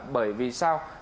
bởi vì sao